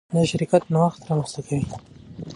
دا شرکت نوښت رامنځته کوي.